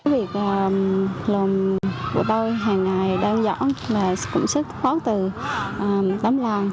việc làm của tôi hàng ngày đơn giản là cũng rất khó từ tấm làng